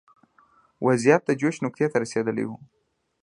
وضعیت د جوش نقطې ته رسېدلی و.